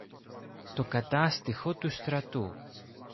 Το Κατάστιχο του Στρατού.